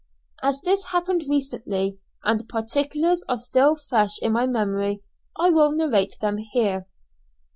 As this happened recently and the particulars are still fresh in my memory I will narrate them here.